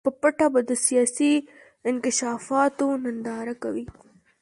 په پټه به د سیاسي انکشافاتو ننداره کوي.